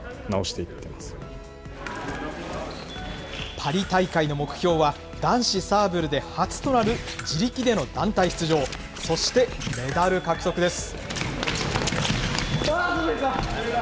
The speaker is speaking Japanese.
パリ大会の目標は、男子サーブルで初となる自力での団体出場、そしてメダル獲得です。